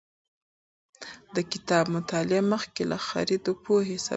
د کتاب مطالعه مخکې له خرید د پوهې سبب ګرځي.